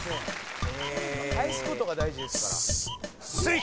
返すことが大事ですからえ「す」